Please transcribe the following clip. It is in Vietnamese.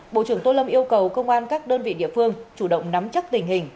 bộ trưởng tô lâm yêu cầu công an các đơn vị địa phương chủ động nắm chắc tình hình